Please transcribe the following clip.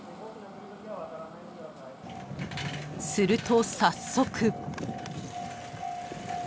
［すると早速］